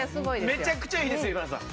めちゃくちゃいいです今田さん。